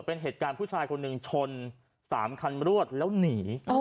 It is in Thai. เป็นเหตุการณ์ผู้ชายคนหนึ่งชน๓คันรวดแล้วหนี